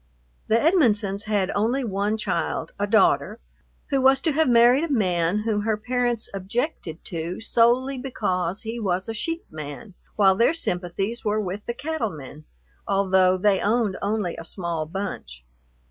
The Edmonsons had only one child, a daughter, who was to have married a man whom her parents objected to solely because he was a sheep man, while their sympathies were with the cattle men, although they owned only a small bunch.